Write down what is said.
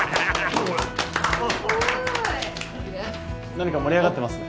何か盛り上がってますね。